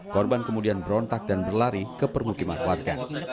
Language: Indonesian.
korban kemudian berontak dan berlari ke permukiman warga